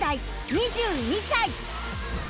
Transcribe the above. ２２歳